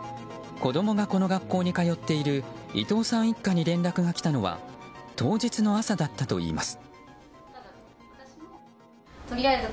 子供がこの学校に通っている伊藤さん一家に連絡が来たのは当日の朝だったといいます。